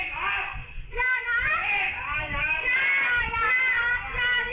โธ๋ไปแล้ว